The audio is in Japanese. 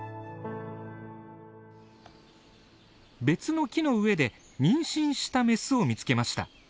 別の木の上で妊娠したメスを見つけました。